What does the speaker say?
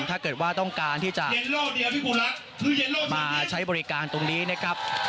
ถ้าเกิดว่าต้องการที่จะมาใช้บริการตรงนี้นะครับ